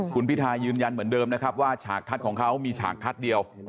คุณพิทายืนยันเหมือนเดิมนะครับว่าฉากทัศน์ของเขามีฉากทัศน์เดียว